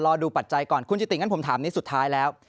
ดูปัจจัยก่อนคุณจิติงั้นผมถามนี้สุดท้ายแล้ว